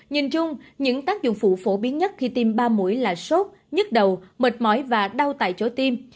nhìn chung những tác dụng phụ phổ biến nhất khi tiêm ba mũi là sốt nhức đầu mệt mỏi và đau tại chỗ tim